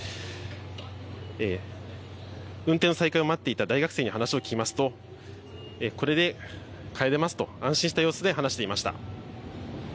運転再開を待っていた大学生に話を聞きますとこれで帰れますと安心した様子で話していました。